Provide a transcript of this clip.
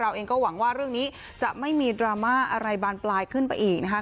เองก็หวังว่าเรื่องนี้จะไม่มีดราม่าอะไรบานปลายขึ้นไปอีกนะคะ